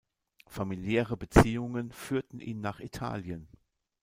Familiäre Beziehungen führten ihn nach Italien.